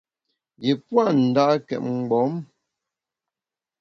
Yi pua’ nda’két mgbom.